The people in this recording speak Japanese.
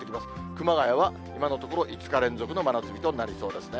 熊谷は今のところ、５日連続の真夏日となりそうですね。